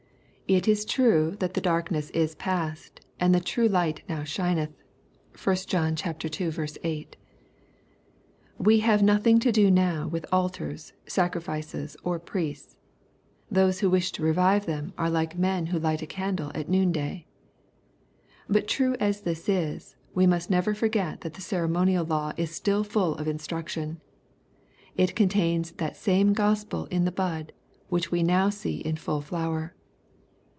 It is true that the LUEE^ CHAP. V. 139 darkness is past, and the true light now shineth. (1 John ii. 8.) We have nothing to do now with altars, sacrifices, or priests Those who wish to revive them are like men who light a candle at noon day. But true as this is, we must never forget that the ceremonial law is still full of instruction. It contains that same Gospel in the bud, which we now see in fall flower.